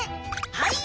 はい！